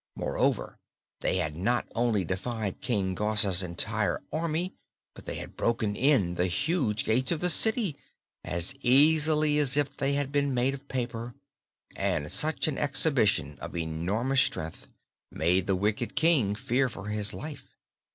Moreover, they not only defied King Gos's entire army but they had broken in the huge gates of the city as easily as if they had been made of paper and such an exhibition of enormous strength made the wicked King fear for his life.